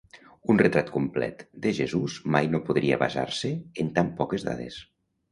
Un retrat complet de Jesús mai no podria basar-se en tan poques dades.